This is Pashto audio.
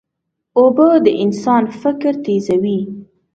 اوبه د انسان فکر تیزوي.